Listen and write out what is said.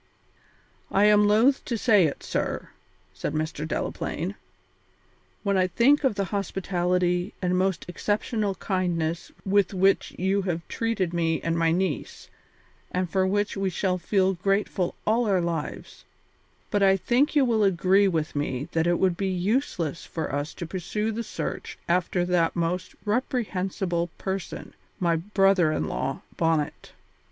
"I am loath to say it, sir," said Mr. Delaplaine, "when I think of the hospitality and most exceptional kindness with which you have treated me and my niece, and for which we shall feel grateful all our lives, but I think you will agree with me that it would be useless for us to pursue the search after that most reprehensible person, my brother in law, Bonnet.